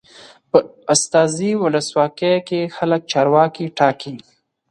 په استازي ولسواکۍ کې خلک چارواکي ټاکي.